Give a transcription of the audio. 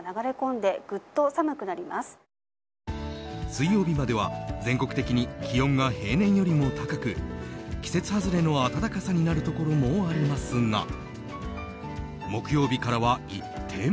水曜日までは全国的に気温が平年よりも高く季節外れの暖かさになるところもありますが木曜日からは一転。